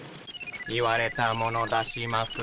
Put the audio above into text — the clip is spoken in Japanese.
言われたもの出します。